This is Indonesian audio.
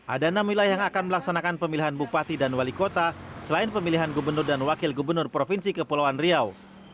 ada enam wilayah yang akan melaksanakan pemilihan bupati dan wali kota selain pemilihan gubernur dan wakil gubernur provinsi kepulauan riau